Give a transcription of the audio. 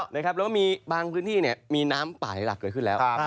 แล้วก็มีบางพื้นที่มีน้ำป่าไหลหลักเกิดขึ้นแล้ว